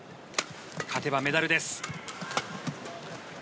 勝てばメダルです。